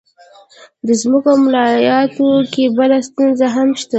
د مځکو په مالیاتو کې بله ستونزه هم شته.